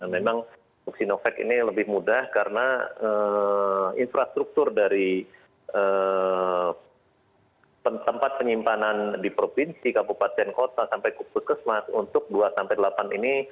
memang sinovac ini lebih mudah karena infrastruktur dari tempat penyimpanan di provinsi kabupaten kota sampai ke puskesmas untuk dua sampai delapan ini